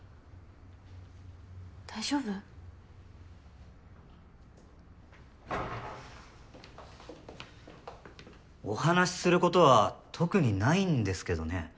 大丈夫？お話しすることは特にないんですけどね。